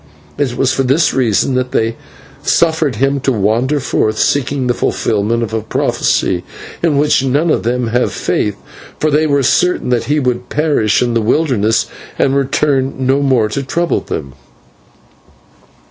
It was for this reason that they suffered him to wander forth, seeking the fulfilment of a prophecy in which none of them have faith, for they were certain that he would perish in the wilderness and return no more to trouble them."